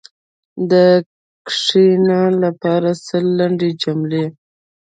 د “کښېنه” لپاره سل لنډې جملې: